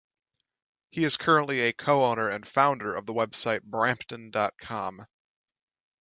He is currently a co-owner and founder of the website Brampton dot com.